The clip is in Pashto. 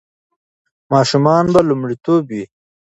ماشومان به لومړیتوب وي.